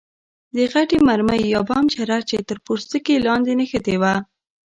د غټې مرمۍ یا بم چره یې تر پوستکي لاندې نښتې وه.